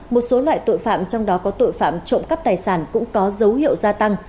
một số loại tội phạm trong đó có tội phạm trộm cắp tài sản cũng có dấu hiệu gia tăng